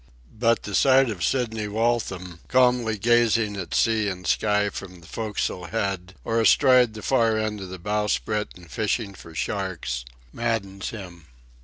But the sight of Sidney Waltham, calmly gazing at sea and sky from the forecastle head, or astride the far end of the bowsprit and fishing for sharks, maddens him.